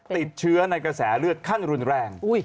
ติดเชื้อในกระแสเลือดขั้นรุนแรง